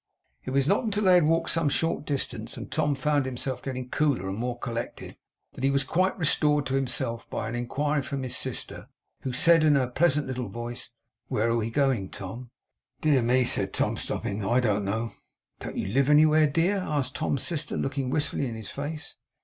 It was not until they had walked some short distance, and Tom found himself getting cooler and more collected, that he was quite restored to himself by an inquiry from his sister, who said in her pleasant little voice: 'Where are we going, Tom?' 'Dear me!' said Tom, stopping, 'I don't know.' 'Don't you don't you live anywhere, dear?' asked Tom's sister looking wistfully in his face.